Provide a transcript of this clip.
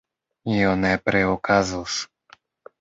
Io nepre okazos.